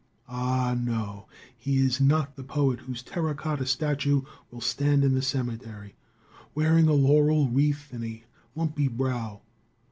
Ah, no! He is not the poet whose terra cotta statue will stand in the cemetery, wearing a laurel wreath and a lumpy brow.